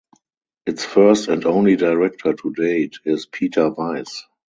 Its first and only director to date is Peter Weiss.